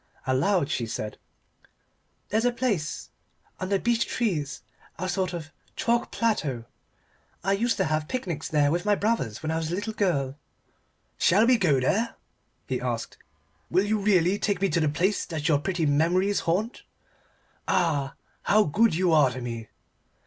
Aloud she said "There's a place under beech trees a sort of chalk plateau I used to have picnics there with my brothers when I was a little girl " "Shall we go there?" he asked. "Will you really take me to the place that your pretty memories haunt? Ah how good you are to me."